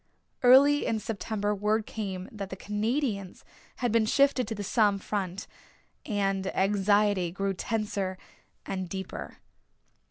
Early in September word came that the Canadians had been shifted to the Somme front and anxiety grew tenser and deeper.